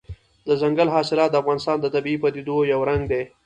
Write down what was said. دځنګل حاصلات د افغانستان د طبیعي پدیدو یو رنګ دی.